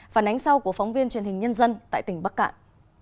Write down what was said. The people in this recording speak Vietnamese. phản ánh sau của phóng viên truyền hình nhân dân tại tỉnh bắc cạn